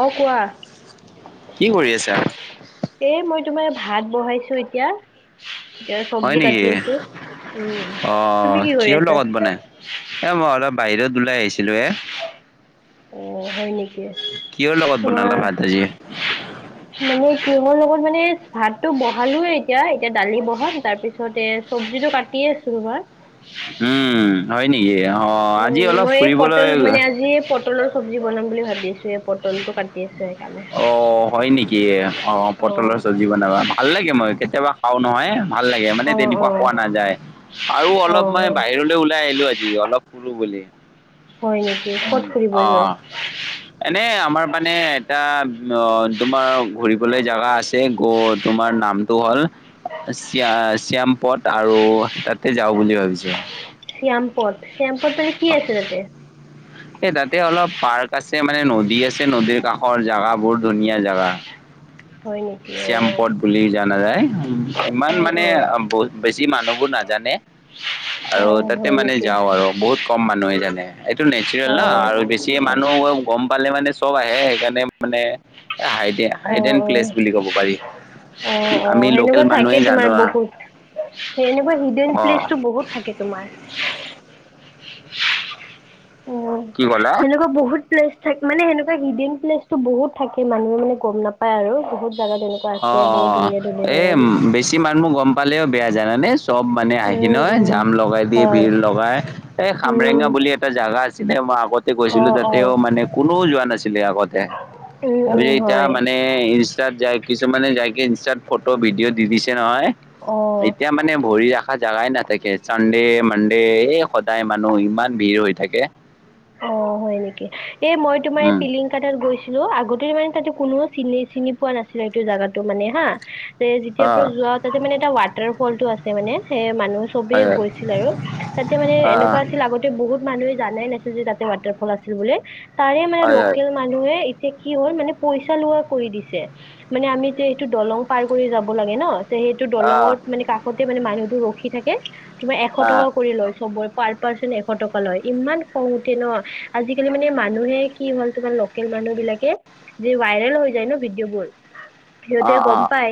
অ কোৱা? কি কৰি আছা? এ মই তোমাৰ ভাত বহাইছো এতিয়া এতিয়া হয় চবজি নেকি? কাটি আছো, উম তুমি অ' কি কৰি কিহৰ আছা? লগত বনাই? এ মই অলপ বাহিৰত ওলাই আহিছিলোঁ এ। অ হয় নেকি? কিহৰ লগত তোমাৰ বনালা ভাত আজি? মানে কিহৰ লগত মানে ভাতটো বহালোয়ে এতিয়া এতিয়া দালি বহাম তাৰ পিছ ছতে চব্জিটো কাটিয়ে আছো তোমাৰ। উম হয় নেকি? অ আজি উম অলপ মই এই পটল ফুৰিবলৈ মানে আজি পটলৰ চব্জি বনাম বুলি ভাবিছো এই পটলটো কাট দিছো সেইকাৰণে। অ হয়, নেকি অ পটলৰ চব্জি বনাবা ভাল লাগে মই কেতিয়াবা খাওঁ নহয়। ভাল লাগে মানে অ অ তেনেকুৱা খোৱা নাযায় আৰু অ অলপ মই বাহিৰলৈ ওলাই আহিলো আজি অলপ ফুৰো বুলি। হয় নি উম অ। এনেই আমাৰ মানে এটা অ তোমাৰ ঘূৰিবলৈ জাগা আছে গত- তোমাৰ নামটো হ'ল- চিয়া চিয়াম্পথ আৰু তাতে যাওঁ বুলি ভাবিছো। শ্যাম্পথ শ্যাম্পদ তে কি আছে তাতে? উ [unintelligible] এই তাতে অলপ পাৰ্ক আছে, মানে নদী আছে নদীৰ কাষৰ জোগা বহু ধুনীয়া জেগা। [unintelligible] হয়, নেকি। শ্যামপদ বুলি জানা যায়। ইমান মানে অ', অ', বহুত বেছি মানুহবোৰ নাজানে। অ', আৰু অ', তাতে হয় মানে নেকি যাওঁ আৰু বহুত কম মানুহে জানে। এইটো নেচাৰেল ন অ'। আৰু বেছি মানুহ গম পালে মানে চব আহে সেইকাৰণে। মানে হাইডেন অ', অ', হাইডেন প্লেচ বুলি ক'ব পাৰি। অ, অ আমি লোকেল সেনেকুৱা মানুহে থাকেই জানো তোমাৰ বহুত। সেইনেকুৱা হিডেন অ প্লেচটো বহুত থাকে তোমাৰ। উম কি ক'লা? সেনেকুৱা বহুত। প্লেচ থাক মানে সেনেকুৱা হিডেন প্লেচতো বহুত থাকে। মানুহে মানে গম নাপায় আৰু বহুত জাগা তেনেকুৱা। অ, আছে বহুত অ ধুনীয়া ধুনীয়া এই জাগাবোৰ। বেছি মানুহ গম পালেও বেয়া জানানে। চব মানে আহি উম, নহয় উম, জাম লগাই দিয়ে হয়, ভিৰ লগাই, এই সামাৰুণ্য উম, বুলি- এটা জেগা আছিলে মই আগতে গৈছিলো, অ', তাতেও অ', মানে কোনেও যোৱা নাছিলে আগতে। উম, উম, ভাবিছোঁ এতিয়া হয়, মানে ইনষ্টাত যাই- কিছুমানে যাইকে ইনষ্টাত ফটো ভিডিঅ' দি দিছে নহয়, অ'। এতিয়া মানে- মানে ভৰি ৰখা জোগাই নাথাকে চানডে মানডে এই সদায় মানুহ ইমান ভিৰ হৈ থাকে। অ, হয়, নেকি এ মই তোমাৰ এই উম পিলিং- তাৰ তাত গৈছিলো আগতে মানে তাতে কোনো চিনি চিনি পোৱা নাছিল এইটো জাগাতো মানে হা। যে যেতিয়াৰ অ পৰা যোৱা তাতে মানে এটা ৱাটাৰ ফল টো আছে মানে সেই মানুহ- চবেই হয় হয় গৈছিল আৰু তাতে মানে অ এনেকুৱা আছিল আগতে বহুত মানুহে জানে নাছিল। আজি তাতে মানে ওৱাটাৰফল আছে বোলি, তাৰে মানে অ হয় হয় লোকেল- মানুহে এতিয়া কি হ'ল, মানে পইচা লোৱা কৰি দিছে। মানে আমি যেতিয়া এইটো দলং পাৰ কৰি যাব লাগে ন। সেইটো অ দলঙত মানে কাষতে মানে মানুহটো ৰখি থাকে তোমাৰ এশ আহ টকা কৰি লয় চবৰে। পাৰ পাৰ্চন এশ টকা লয় ইমান। খঙ উঠে ন, আজিকালি মানে মানুহে কি হল তোমাৰ লোকেল মানুহ বিলাকে- যে ভাইৰেল হৈ যায়, ন ভিডিঅ' বোৰ অ সিহঁতে অ গম পাই।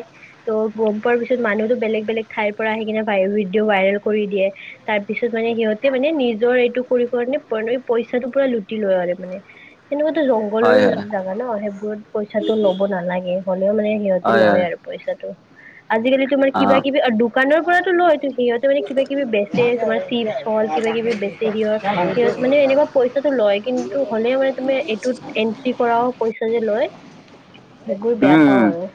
ত' গম পোৱাৰ পিছত মানুহতো বেলেগ বেলেগ ঠাইৰ পৰা আহি কিনে ভিডিঅ' ভাইৰেল কৰি দিয়ে। তাৰ পিছত মানে সিহঁতে মানে নিজৰ এইটো কৰিব কাৰণে- ন পইচাটো পুৰা লুটি লৈ আৰু মানে। সেনেকুৱাতো জংঘলৰ হয় হয় জেগা ন সেইবোৰত পইচাটো ল'ব নালাগে হলেও মানে সিহঁতে হয় হয় লয় আৰু। পইচাটো আজিকালি তোমাৰ অ কিবা কিবি দোকানৰ পৰাতো লয়ো সিহঁতে মানে কিবা কিবি বে- তোমাৰ চিপ চল কিবা কিবি বেচি সিহৰ- মানে এনেকুৱা পইচাটো লয় কিন্তু হ'লে মানে তুমি এইটোত- কি কৰাও পইচা যে লয়, সেইবোৰ বেয়া পাওঁ উম আৰু।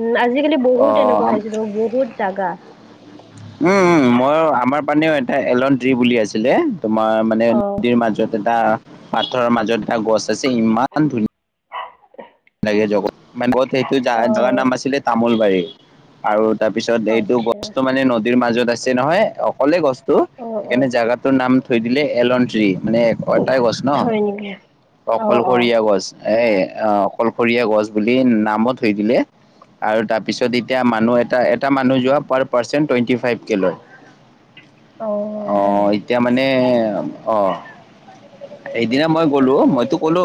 উম আজিকালি অ বহুত এনেকুৱা উম হৈছে ন বহুত জাগা। উম উম মই আমাৰ পানেও এটা এলন টি বুলি আছিলে। তোমাৰ মানে অ', নদীৰ মাজত এটা পাথৰৰ মাজত এটা গছ আছে ইমান ধুনী- [unintelligible] তে জগ মানে ঘৰত সেইটো জাৰ জাৰ অ', নাম আছিলে তামোল বাৰী। আৰু তাৰপিছত এইটো আচ্ছা, গছটো মানে নদীৰ মাজত আছে নহয় অকলে গছ। তো অ', সেইকাৰণে অ', জাগাটোৰ নাম থৈ দিলে এলনট্ৰি মানে অ এটাই গছ ন, হয় নেকি? অ', অ', অকলশৰীয়া গছ এ অ। কলশৰীয়া গছ বুলি নামত থৈ দিলে। আৰু তাৰপিছত এতিয়া মানুহ এটা এটা মানুহ যোৱা পাৰ পাৰ্চন টুৱেটি ফাইভ কে লয়। অ হয়। অঁ এতিয়া মানে অ সেইদিনা মই গ'লো মইতো ক'লো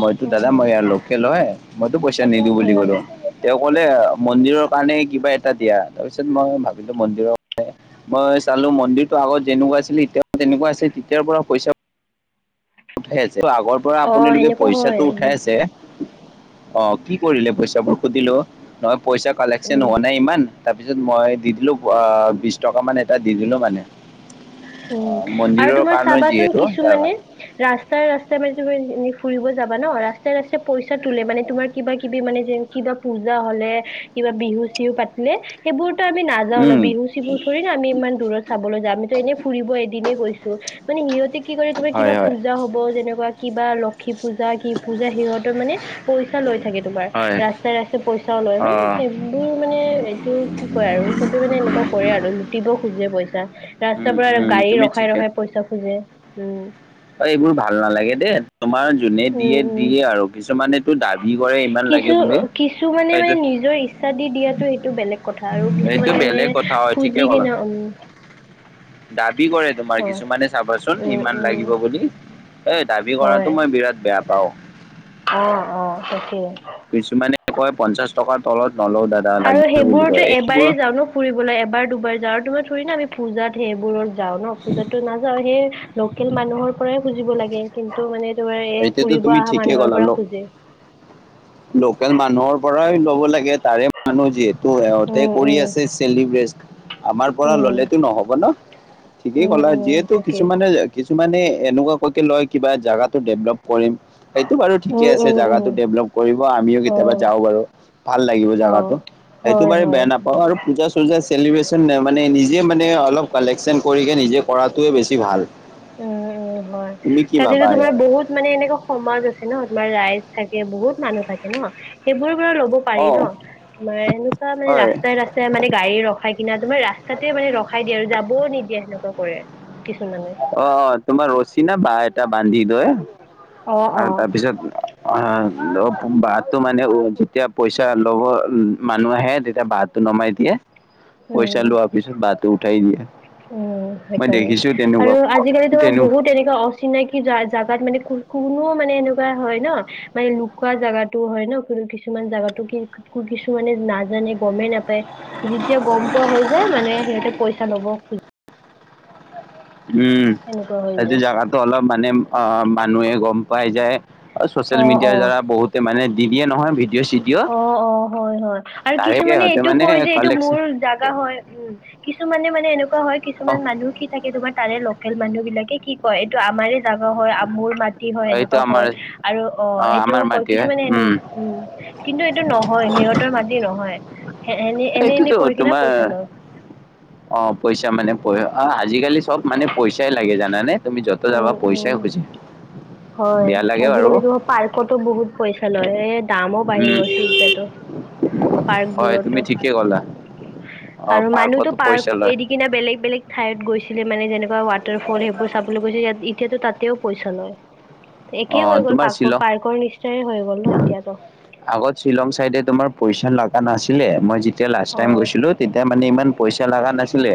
মইতো দাদা মই অ', ইয়াৰ লোকেল হয়, মইতো পইচা নিদু বুলি উম, ক'লো। তেওঁ ক'লে মন্দিৰৰ কাৰণে কিবা এটা দিয়া, তাৰপিছত মই ভাবিলো মন্দিৰৰ কাৰনে মই চালো মন্দিৰতো আগত যেনেকুৱা আছিলে এতিয়া তেনেকুৱা আছিল তেতিয়াৰ পৰা পইচা উঠাই আছে ত আগৰ পৰা অ', আপোনিলোকে সেনেকুৱা হয়, পইচাটো উম, উঠাই আছে অ কি কৰিলে পইচাবোৰ সুধিলো? নহয় পইচা কালেকচন উম, হোৱা নাই ইমান তাৰপিছত মই দি দিলো ৱা বিশ টকা মান এটা দি দিলো মানে। অ উম আৰু মন্দিৰৰ তোমাৰ কাৰণে চাবাচোন যিহেতু তাৰ কিছুমানে মানে ৰাস্তাই - ৰাস্তাই মানে তুমি নি ফুৰিব যাবা ন, ৰাস্তাই - ৰাস্তাই পইচা তোলে মানে তোমাৰ কিবা - কিবি মানে যে কিবা পূজা হলে, কিবা বিহু চিহু পাত তিলে সেইবোৰতো আমি নাযাও ন, উম বিহু - চিহু থুৰি না আমি ইমান দূৰত চাবলৈ যাম এইটো এনে ফুৰিব এদিনে গৈছো মানে সিহঁতে কি কৰে তোমাৰ হয় কিবা হয় পূজা হব যেনেকুৱা কিবা ল ক্ষী পূজা কি পূজা সিহঁতৰ মানে পইচা লৈ থাকে তোমাৰ। হয় ৰাস্তাই - ৰাস্তাই পইচাও লয় অ মানে সেইবোৰ মানে এইটো কি কয় আৰু চবে মানে এনেকুৱা কৰে আৰু। দিব খোজে পইচা, ৰাট উম উম তুমি ঠিকে পইচা খোজে উম। এইবোৰ ভাল নালাগে দেই, তোমাৰ যোনে উম দিয়ে উম দিয়ে আৰু কিছুমানেতো দাবী কৰে ইমান লাগে কিছু বুলি কিছুমানে মানে সেইটো নিজৰ ইচ্ছা দি দিয়াটো সেইটো বেলেগ কথা আৰু সেইটো কিছুমানে নে বেলেগ কথা হয় ঠিকে খুজি ক'লা কিনে উম। দাবী কৰে তোমাৰ হয় কিছুমানে চাবাচোন উম ইমান লাগিব। উম লি, এই দাবী কৰাটো মই বিৰাট বেয়া পাওঁ। অঁ অঁ সেটিয়ে। কিছুমানে কয় পঞ্চাশ টকা তলত নলওঁ দাদ আৰু সেইবোৰতো এবাৰেই যাঁও‌ ন। ফুৰিবলে এবাৰ দুবাৰ যাওঁ আৰু তোমাৰ থুৰি ন আমি পূজাত সেইবোৰত যাওঁ ন পূজাততো নাযাওঁ সেই লোকেল মানুহৰ পৰাই খুজিব লাগে কিন্তু মানে তোমাৰ এ এতিয়াতো ফুৰিব তুমি অহা ঠিকেই মানুহৰ ক'লা ল পৰা খোজে। লোকেল মানুহৰ পৰাই ল'ব লাগে। তাৰে মানুহ যিহেতু সিহঁতে উম কৰি উম আছে চেলিব্ৰেচ। আমাৰ পৰা উম ললেতো নহব ন, ঠিকেই উম ক'লা উম যিহেতু তাকে কিছুমানে কিছুমানে এনেকুৱাকৈকে লয় কিবা জাগা ডেভলপ কৰিম। এইটো বাৰু ঠিকেই উম আছে উম জাগাটো উম ডেভেলপ কৰিব আমিও অ কেতিয়াবা যাও বাৰু, ভাল লাগিব অ জেগাতো সেইটো হয় বাৰু হয় বেয়া নাপাওঁ আৰু পূজা চোজা চেলিব্ৰেচন নে মানে নিজে মানে অলপ কালেকচন কৰিকে নিজে কৰাটোৱে বেছি ভাল। উম উম হয় তুমি কি তাতেতো ভাবা তোমাৰ ইয়াৰ বহুত মানে এনেকুৱা সমাজ আছে ন তোমাৰ ৰাইজ থাকে বহুত মানুহ থাকে ন সেইবোৰৰ পৰা ল'ব পাৰি অ ন। তোমাৰ এনেকুৱা মানে হয় ৰাস্তাই - ৰাস্তাই মানে গাড়ী ৰখ খাই কিনা তোমাৰ ৰাস্তাতে মানে ৰখাই দিয়ে আৰু যাবও নিদিয়ে সেনেকুৱা কৰে কিছুমানে। অ অ তোমাৰ ৰছী না বাহ এটা বান্ধি দয় অ অ আৰু তাৰপিছত অঁহ অঁহ বাতটো মানে উম যেতিয়া পইচা লব মানুহ আহে তেতিয়া বাট নমাই দিয়ে, পইচা উম লোৱাৰ পিছত বাঁহটো উঠাই দিয়ে, উম মই সেইকাৰণে দেখিছো আৰু তেনেকুৱা আজিকালিতো তেনো বহুত তেনেকুৱা অচিনাকি জা - জাগাত মানে কু - কুনো মানে এনেকুৱা হয় ন মানে লু খোৱা জাগাতো হয় ন কিছুমান জাগাটো কি কিছুমানে নাজানে গমে নাপায় যি এতিয়া গম পোৱা হৈ যায়, মানে সিহঁতে পইচা ল'ব খোজে। উম' এনেকুৱা হৈ সেইটো যায় জেগাতো অলপ মানে অ' মানুহে গম পাই যায়। আৰু ছচিয়েল অ মিডিয়াৰ অ দ্বাৰা, বহুতে মানে দি দিয়ে নহয় ভিডিঅ'-চিডিঅ। অ-অ, হয়-হয় আৰু কিছুমানে সিহঁতে এইটো মানে কয় যে এইটো কালেকচন মোৰ জাগা হয়। উম' কিছুমানে মানে এনেকুৱা হয়, অ কিছুমান মানুহ কি থাকে, তোমাৰ তাৰে লকেল মানুহ বিলাকে কি কয় এইটো আমাৰে জাগা হয় আৰু মোৰ মাটি হয় এইটো এনেকুৱা আমাৰ কয়। আৰু অ' সেইটো আমাৰ কয় মাটি হয় কিছুমানে হেনো, উম! কিন্তু এইটো নহয়, সিহঁতৰ মাটি নহয়, এনেই- এনেই কৰি কিনে পইচা লয়। অ'পইচা মানে পৰে, অ' আজিকালি চব মানে পইচাই লাগে জানানে। তুমি য'তেই যাবা, উম উম পইচাই খুজিব। হয়। আজিকালিতো পাৰ্কতো বহুত পইচা লয়। এ দামো উম বাঢ়ি গৈছে। এতিয়াতো হয় তুমি পাৰ্কবোৰতো, ঠিকে ক'লা অ আৰু মানুহতো পাৰ্কতো পইচা পাৰ্ক লয় এৰি কিনে বেলেগ-বেলেগ ঠাইত গৈছিলে মানে যেনেকুৱা ৱাটাৰ ফল সেইবোৰ চাবলৈ গৈছিল। ইয়াত এতিয়াতো তাতেও পইচা লয়। অ একেই হৈ গ'ল। তোমাৰ শ্বিলং পাৰ্কৰ-পাৰ্কৰ নিচনাই হৈ গ'ল ন এতিয়াতো। আগত শ্বিলং চাইডে তোমাৰ পইচা লাগা নাছিলে, মই যেতিয়া লাষ্ট অ টাইম গৈছিলোঁ। তেতিয়া মানে ইমান পইচা লাগা নাছিলে।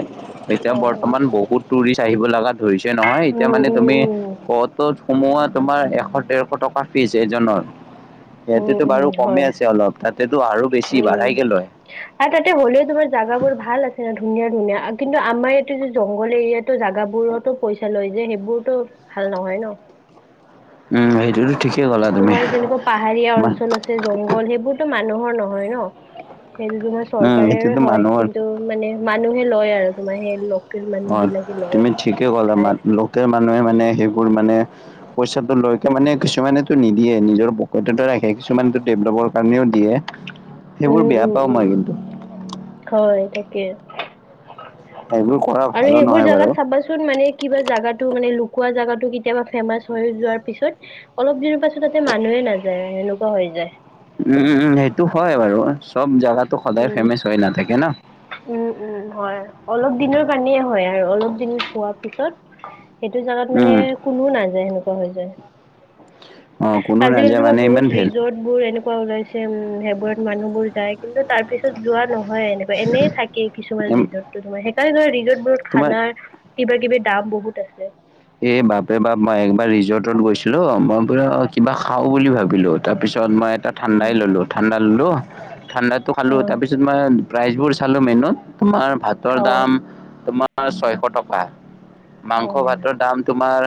এতিয়া অ বৰ্তমান বহুত টুৰিষ্ট আহিব লাগাত ধৰিছে নহয়। এতিয়া উম মানে উম তুমি উম ক'ত? ক'ত সোমোৱা তোমাৰ এশ, ডেৰশ টকা ফিজ এজনৰ, গুৱাহাটী উম গুৱাহাটীত বাৰু উম কমে হয় আছে অলপ, তাতেতো আৰু বেছি উম বাঢ়াইকে লয়। আৰু তাতে হ'লেও তোমাৰ জাগা বোৰ ভাল আছে ধুনীয়া-ধুনীয়া। আ কিন্তু আমাৰ ইয়াতে যে জংঘল এৰিয়াত তো জাগাবোৰতো পইচা লয় যে, সেইবোৰতো ভাল নহয় ন! উম' সেইটোতো ঠিক তোমাৰ যেনেকুৱা পাহাৰীয়া অঞ্চলত গোটেই জংগল, সেইবোৰতো মানুহৰ নহয় ন', সেইটো তোমাৰ উম চৰকাৰেৰে এইটোতো হয়। মানুহৰ কিন্তু মানে মানুহে লয় আৰু তোমাৰ সেই লগ অ' তুমি ঠিকে ক'লা [unintelligible] সেইটো মানুহে মানে, সেইবোৰ মানে, পইচাটো লৈকে মানে কিছুমানেটো নিদিয়ে নিজৰ প গোটেইতো ৰাখে কিছুমানতো ডেভলপৰ কাৰণেও দিয়ে, সেইবোৰ উম বেয়া উম পাওঁ মই উম কিন্তু। হয় তাকে। [unintelligible] সেইবোৰ কৰা আৰু ভালো সেইবোৰ নহয় বাৰু। জাগাত চাবাচোন তো মানে, কিবা জাগাটো মানে লুকোৱা জাগাটো কেতিয়াবা ফেমাচ হৈ যোৱাৰ পিছত অলপ দিনৰ পাছত তাতে মানুহে নাযায়। সেনেকুৱা হৈ যায়। উম-উম-উম, সেইটো হয় বাৰু চব জাগাটো সদায় ফেমাচ হৈ নাথাকে ন। উম-উম, হয় অলপ দিনৰ কাৰণেই হয় আৰু অলপ দিন হোৱাৰ পিছত সেইটো জাগাত মানে উম কোনো নাযায়, সেনেকুৱা হৈ যায়। অ কোনো আজিকালি নাযায় তোমাৰ মানে ইমান বহুত ভেল ৰিজৰ্ট বোৰ এনেকুৱা ওলাইছে, উম' সেইবোৰত মানুহ বোৰ যায়। কিন্তু তাৰ পিছত যোৱা নহয় এনেও। এনেই থাকে কিছুমান ৰিজৰ্ট টো তোমাৰ, সেইকাৰণে ধৰা ৰিজৰ্ট বোৰত তোমাৰ খানাৰ কিবা-কিবি দাম বহুত আছে। এই বাপৰে বাপ, মই একবাৰ ৰিজৰ্টত গৈছিলো, মই পূৰা কিবা খাওঁ বুলি ভাবিলো। তাৰপিছত মই এটা ঠাণ্ডাই উম ললোঁ, ঠাণ্ডা ললোঁ, ঠাণ্ডাতো অ খালোঁ তাৰপিছত মই প্ৰাইজ বোৰ চালো মেনুত, তোমাৰ ভাতৰ অ দাম তোমাৰ তোমাৰ ছয়শ টকা, মাংস ভাত অ দাম তোমাৰ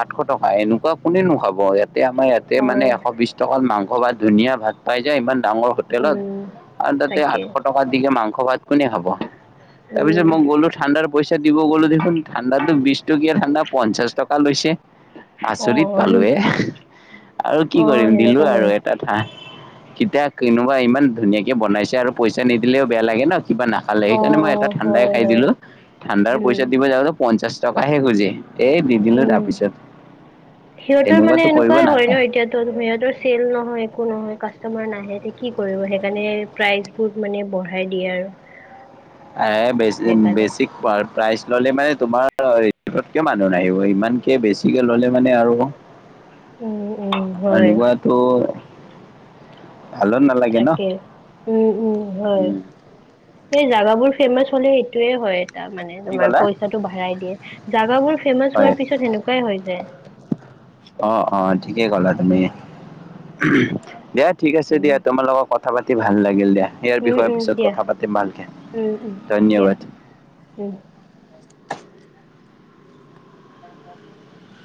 আঠশ টকা, এনেকুৱা কোনেনো খাব ইয়াত তাতে আমাৰ ইয়াতে অ মানে এশ বিশ টকাত মাংস ভাত ধুনীয়া ভাত পাই যায়। ইমান ডাঙৰ হোটেল হোটেলত উম আৰু তাতে তাকে আঠশ টকাৰ দি মাংস ভাত কোনে খাব? উম তাৰপিছত মই গ'লো, ঠাণ্ডাৰ পইচা দিব গ'লো, দেখোন ঠাণ্ডাতো বিশ টকীয়া ঠাণ্ডা পঞ্চাশ টকা লৈছে। অ আচৰিত পালো এ আৰু কি অ কৰিম, দিলো সেনেকুৱা আৰু হয় এ তাত হাহ, কেতিয়া কোনোবা ইমান ধুনীয়াকে বনাইছে আৰু পইছা নিদিলেও বেয়া লাগে ন কিবা না নাখালে অ সেইকাৰণে এটা অ ঠাণ্ডাই হয় খাই হয় দিলোঁ। ঠাণ্ডাৰ পইছা উম। দিব যাওঁতে পঞ্চাশ টকাহে খুজে, এই দি দিলোঁ উম। তাৰপিছত, সিহঁতৰ মানে এনেকুৱাটো কৰিব এনেকুৱাই হয় ন নাপায়। এতিয়াতো সিহঁতৰ চেল নহয় একো নহয় কাষ্টমাৰ নাহে সিহঁতে কি কৰিব সেইকাৰণে প্ৰাইজ বহুত মানে বঢ়াই দিয়ে আৰু। আয়ে বেচ সেইকাৰণে। বেচিক প্ৰা প্ৰাইজ ল'লে মানে তোমাৰ মানুহ নাহিব। ইমানকে বেছিকে ল'লে মানে আৰু উম উম হয় সেনেকুৱাটো ভালো নালা তাকে উম উম হয়। উম, সেই জাগাবোৰ ফেমাচ হ'লে এইটোয়ে হয়। তামানে কি তোমাৰ ক'লা পইচাটো ভাৰাই দিয়ে। জাগাবোৰ ফেমাচ হয় হোৱাৰ পিছত সেনেকুৱাই হৈ যায়। অ অ ঠিকে ক'লা তুমি, উমহ দিয়া ঠিক আছে উম। দিয়া তোমাৰ লগত কথা কথা পাতি ভাল লাগিল দিয়া। ইয়াৰ উম বিষয়ে উম পিছত দিয়া কথা পাতিম ভালকে, উম উম দিয়া ধন্যবাদ। উম। অ [unintelligible]